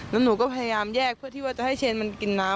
แล้วหนูก็พยายามแยกเพื่อที่ว่าจะให้เชนมันกินน้ำ